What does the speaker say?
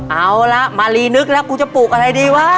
เอาละมารีนึกแล้วกูจะปลูกอะไรดีวะ